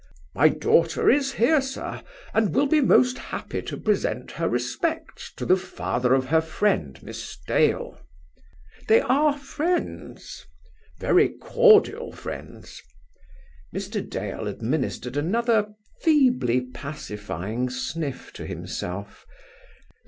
"My daughter is here, sir, and will be most happy to present her respects to the father of her friend, Miss Dale." "They are friends?" "Very cordial friends." Mr. Dale administered another feebly pacifying sniff to himself.